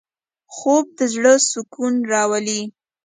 خوب د زړه سکون راولي